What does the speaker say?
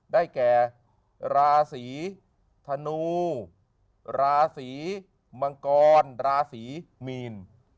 ได้แก่ราศีธนูราศีมังกรราศีมีน